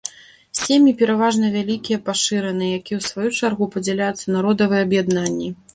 Сем'і пераважна вялікія пашыраныя, якія ў сваю чаргу падзяляюцца на родавыя аб'яднанні.